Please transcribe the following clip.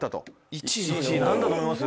１位何だと思います？